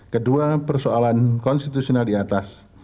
kedua persoalan konstitusional di atas